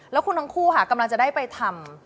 แล้วคุณทั้งคู่ค่ะกำลังจะได้ไปทำ